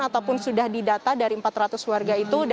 ataupun sudah didata dari empat ratus warga itu